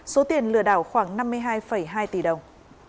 số tiền lừa đảo khoảng năm mươi hai hai tỷ đồng